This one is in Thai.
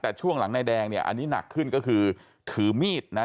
แต่ช่วงหลังนายแดงเนี่ยอันนี้หนักขึ้นก็คือถือมีดนะ